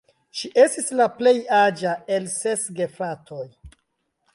Ŝi estis la plej aĝa el ses gefratoj.